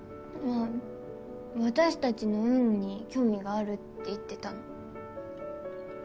私たちの運に興味があるって言ってたの。